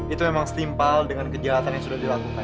itu memang setimpal dengan kejahatan yang sudah dilakukan